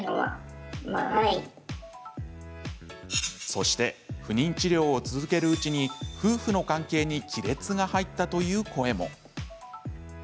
そして、不妊治療を続けるうちに夫婦の関係に亀裂が入ったという声も。